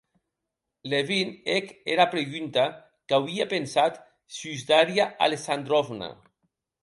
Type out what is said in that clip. Levin hec era pregunta qu'auie pensat sus Daria Alexandrovna.